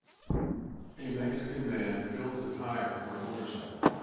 a mexican man fills a tire for a motorcycle